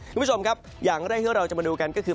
คุณผู้ชมครับอย่างแรกที่เราจะมาดูกันก็คือ